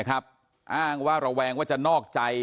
อ้างว่าระแวงว่าจะนอกใจ